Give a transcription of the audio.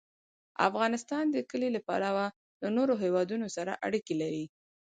افغانستان د کلي له پلوه له نورو هېوادونو سره اړیکې لري.